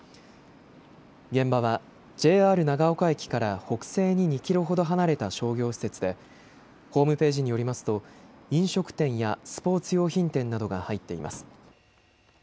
現場はＪＲ長岡駅から北西に２キロほど離れた商業施設でホームページによりますと飲食店やスポーツ用品店などが入っています。